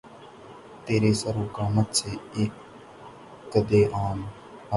تیرے سرو قامت سے، اک قّدِ آدم